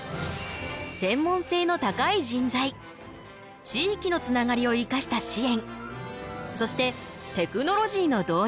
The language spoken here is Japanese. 専門性の高い人材地域のつながりを生かした支援そしてテクノロジーの導入。